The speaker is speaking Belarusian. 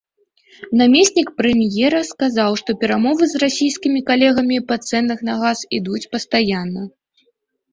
Намеснік прэм'ера сказаў, што перамовы з расійскімі калегамі па цэнах на газ ідуць пастаянна.